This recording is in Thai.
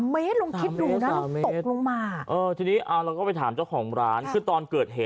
มันกระฮักลงไป